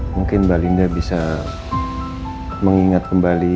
mungkin mbak linda bisa mengingat kembali